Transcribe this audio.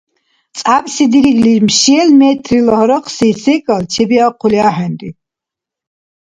ЦӀябси дирихьли шел метрла гьарахъси секӀал чебиахъули ахӀенри.